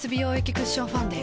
クッションファンデ